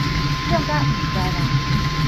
暢甲毋知人